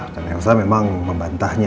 dan elsa memang membantahnya